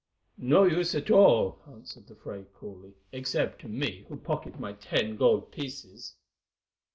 "No use at all," answered the Fray coolly, "except to me who pocket my ten gold pieces."